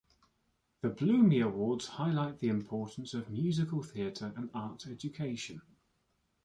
The Blumey Awards highlight the importance of musical theater and arts education.